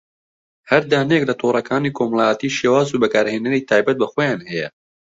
هەر دانەیەک لە تۆڕەکانی کۆمەڵایەتی شێواز و بەکارهێنەری تایبەت بەخۆیان هەیە